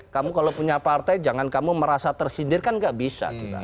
kamu kalau punya partai jangan kamu merasa tersindir kan gak bisa